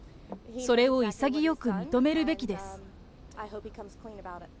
それを潔く認めるべきです。